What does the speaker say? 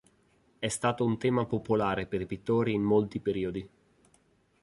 È stato un tema popolare per i pittori in molti periodi.